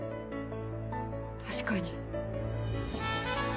確かに。